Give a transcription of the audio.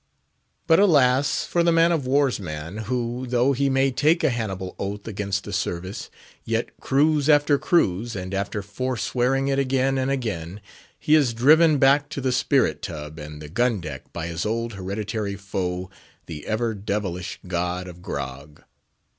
But, alas for the man of war's man, who, though he may take a Hannibal oath against the service; yet, cruise after cruise, and after forswearing it again and again, he is driven back to the spirit tub and the gun deck by his old hereditary foe, the ever devilish god of grog.